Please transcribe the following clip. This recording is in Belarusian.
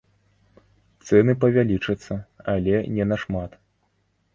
Цэны павялічацца, але не на шмат.